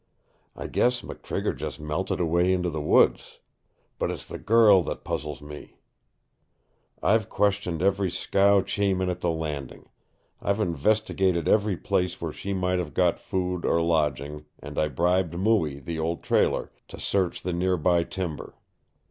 I guess McTrigger just melted away into the woods. But it's the girl that puzzles me. I've questioned every scow cheman at the Landing. I've investigated every place where she might have got food or lodging, and I bribed Mooie, the old trailer, to search the near by timber.